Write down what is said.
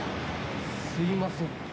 すいません。